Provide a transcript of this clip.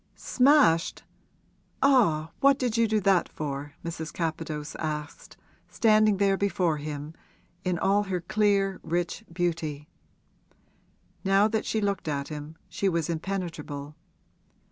'Smashed? Ah, what did you do that for?' Mrs. Capadose asked, standing there before him in all her clear, rich beauty. Now that she looked at him she was impenetrable.